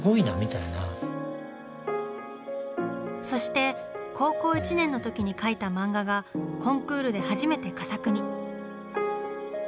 そして高校１年の時に描いた漫画がコンクールで初めて佳作に。